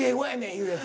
言うやつ。